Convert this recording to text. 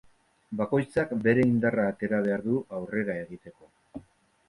Bakoitzak bere indarra atera behar du aurrera egiteko.